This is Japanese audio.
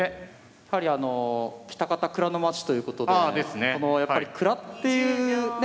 やはりあの喜多方蔵のまちということでやっぱり蔵っていうね